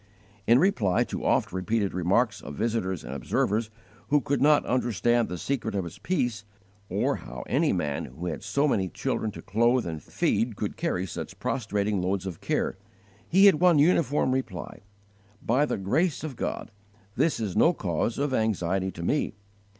In reply to oft repeated remarks of visitors and observers who could not understand the secret of his peace, or how any man who had so many children to clothe and feed could carry such prostrating loads of care, he had one uniform reply: "By the grace of God, this is no cause of anxiety to me.